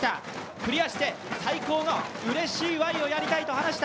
クリアして、最高の、うれしいＹをやりたいと話した。